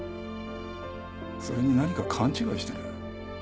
それに何か勘違いしてる。